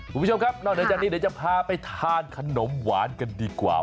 คุณผู้ชมครับนอกเหนือจากนี้เดี๋ยวจะพาไปทานขนมหวานกันดีกว่า